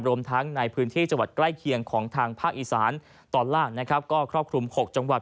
รวมทั้งในพื้นที่จังหวัดใกล้เคียงของทางภาคอีสานตอนล่างนะครับก็ครอบคลุม๖จังหวัด